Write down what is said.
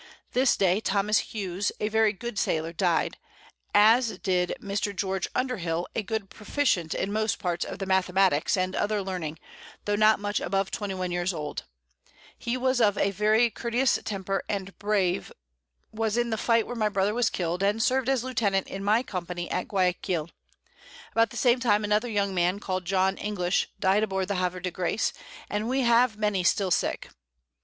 This Day Tho. Hughes a very good Sailor died, as did Mr. George Underhill, a good Proficient in most parts of the Mathematicks and other Learning, tho' not much above 21 Years old: He was of a very courteous Temper, and brave, was in the Fight where my Brother was kill'd, and served as Lieutenant in my Company at Guiaquil. About the same time another young Man, call'd John English, died aboard the Haver de Grace, and we have many still sick.